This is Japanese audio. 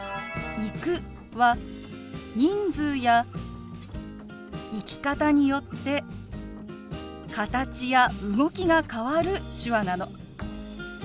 「行く」は人数や行き方によって形や動きが変わる手話なの。